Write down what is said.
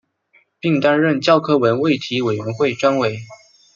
并担任教科文卫体委员会专委。